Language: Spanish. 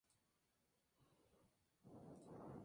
Y por fin, cuando cumplió doce años su sueño se hizo realidad.